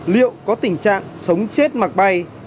liệu có tình trạng sống chết mặc bay